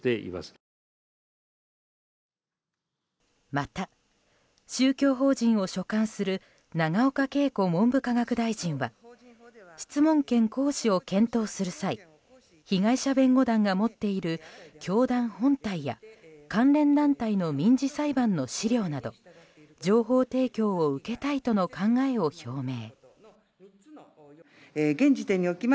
また、宗教法人を所管する永岡桂子文部科学大臣は質問権行使を検討する際被害者弁護団が持っている教団本体や関連団体の民事裁判の資料など情報提供を受けたいとの考えを表明。